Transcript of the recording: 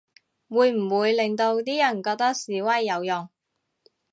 會唔會令到啲人覺得示威有用